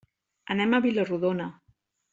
Anem a Vila-rodona.